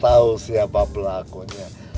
tahu siapa pelakunya